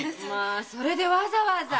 それでわざわざ。